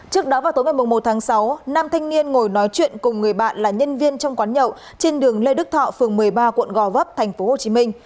trước đó vào tối một mươi một tháng sáu nam thanh niên ngồi nói chuyện cùng người bạn là nhân viên trong quán nhậu trên đường lê đức thọ phường một mươi ba quận gò vấp tp hcm